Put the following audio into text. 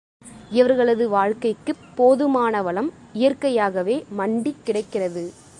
இவர்களது வாழ்க்கைக்குப் போதுமான வளம் இயற்கையாகவே மண்டிக் கிடக்கிறது.